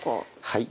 はい。